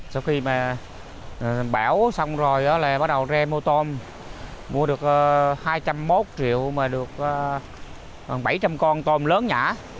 sau khi bão xong rồi bắt đầu ra mua tôm mua được hai trăm linh một triệu mà được bảy trăm linh con tôm lớn nhã